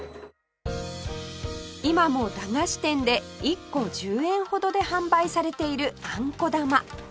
今も駄菓子店で１個１０円ほどで販売されているあんこ玉